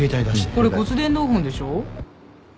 これ骨伝導ホンでしょ？